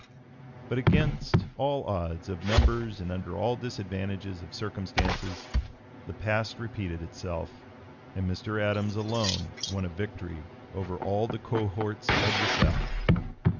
But against all odds of numbers and under all disadvantages of circumstances the past repeated itself, and Mr. Adams alone won a victory over all the cohorts of the South.